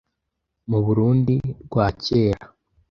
Mu Burunndi rwa kera,